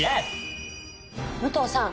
武藤さん